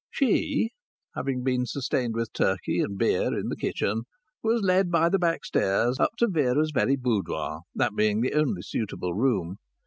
She, having been sustained with turkey and beer in the kitchen, was led by the backstairs up to Vera's very boudoir, that being the only suitable room.